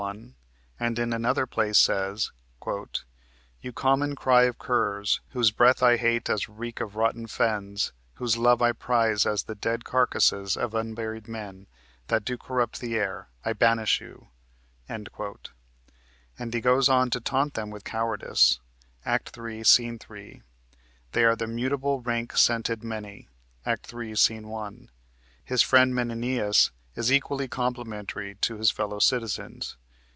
1), and in another place says: "You common cry of curs, whose breath I hate As reek of rotten fens, whose love I prize As the dead carcasses of unburied men That do corrupt the air, I banish you," and he goes on to taunt them with cowardice (Act 3, Sc. 3). They are the "mutable, rank scented many" (Act 3, Sc. 1). His friend Menenius is equally complimentary to his fellow citizens.